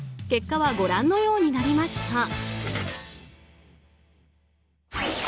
結果はご覧のようになりました。